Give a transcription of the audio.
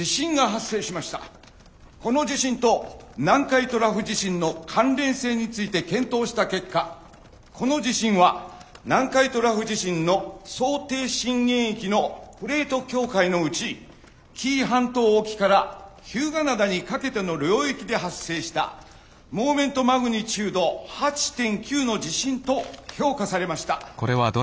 この地震と南海トラフ地震の関連性について検討した結果この地震は南海トラフ地震の想定震源域のプレート境界のうち紀伊半島沖から日向灘にかけての領域で発生したモーメントマグニチュード８．９の地震と評価されました。